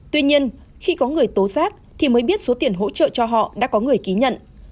tuy nhiên khi có người tố xác thì mới biết số tiền hỗ trợ cho họ đã có người ký nhận